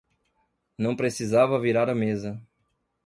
Não precisava virar a mesa